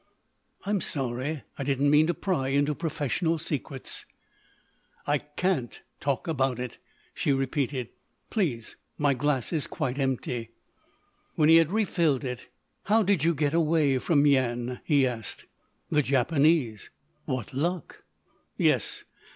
"I'm sorry. I didn't mean to pry into professional secrets——" "I can't talk about it," she repeated. "... Please—my glass is quite empty." When he had refilled it: "How did you get away from Yian?" he asked. "The Japanese." "What luck!" "Yes.